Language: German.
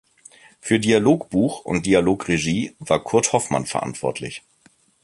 Für Dialogbuch und Dialogregie war Kurt Hoffmann verantwortlich.